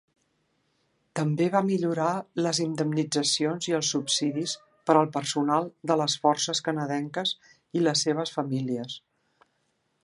També va millorar les indemnitzacions i els subsidis per al personal de les Forces Canadenques i les seves famílies.